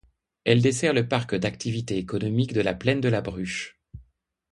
Elle dessert le parc d'activités économiques de la plaine de la Bruche.